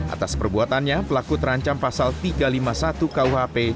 atas perbuatannya pelaku terancam pasal tiga ratus lima puluh satu kuhp